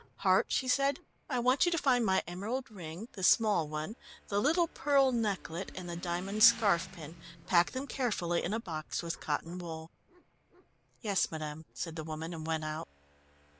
"Hart," she said, "I want you to find my emerald ring, the small one, the little pearl necklet, and the diamond scarf pin. Pack them carefully in a box with cotton wool." "Yes, madam," said the woman, and went out.